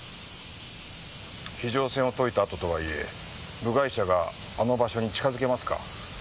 非常線を解いたあととはいえ部外者があの場所に近づけますか？